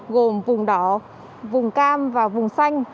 gồm vùng đỏ vùng cam và vùng xanh